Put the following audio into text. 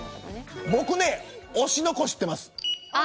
僕ね、推しの子は知ってます。